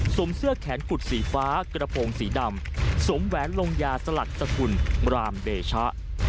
เสื้อแขนกุดสีฟ้ากระโปรงสีดำสวมแหวนลงยาสลักสกุลรามเดชะ